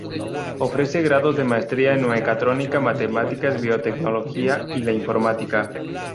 Ofrece grados de maestría en Mecatrónica, Matemáticas, biotecnología y la informática.